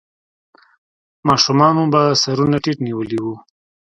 ماشومانو به سرونه ټيټ نيولې وو.